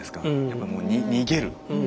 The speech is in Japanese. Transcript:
やっぱもう逃げる。